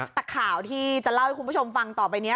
แต่ข่าวที่จะเล่าให้คุณผู้ชมฟังต่อไปนี้